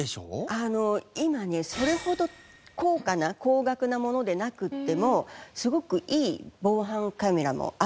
今ねそれほど高価な高額なものでなくてもすごくいい防犯カメラもあるんですよ。